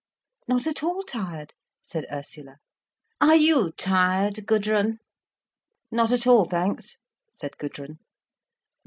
"Not at all tired," said Ursula. "Are you tired, Gudrun?" "Not at all, thanks," said Gudrun.